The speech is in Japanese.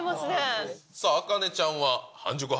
さあ、茜ちゃんは半熟派？